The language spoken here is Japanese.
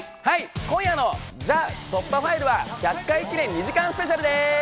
今夜の『ＴＨＥ突破ファイル』は１００回記念２時間スペシャルです。